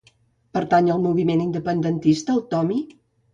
Pertany al moviment independentista el Tomy?